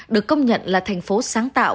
được công nhận là thành phố sáng tạo